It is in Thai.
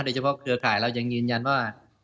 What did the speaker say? โดยเฉพาะคือข่ายเรายังยืนยันว่า